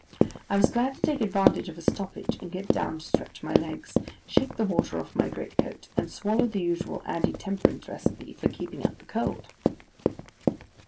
I was glad to take advantage of a stoppage and get down to stretch my legs, shake the water off my great coat, and swallow the usual anti temperance recipe for keeping out the cold.